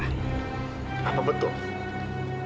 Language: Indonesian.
habib wedding ini kan